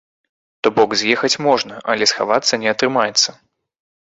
То бок, з'ехаць можна, але схавацца не атрымаецца.